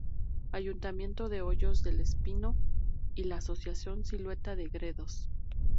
Ayuntamiento de Hoyos del Espino y la Asociación Silueta de Gredos.